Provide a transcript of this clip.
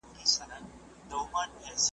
عابد ملنګ صيب